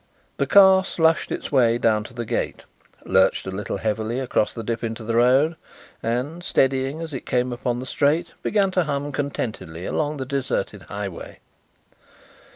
The car slushed its way down to the gate, lurched a little heavily across the dip into the road, and, steadying as it came upon the straight, began to hum contentedly along the deserted highway.